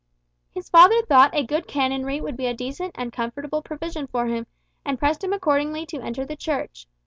His father thought a good canonry would be a decent and comfortable provision for him, and pressed him accordingly to enter the Church.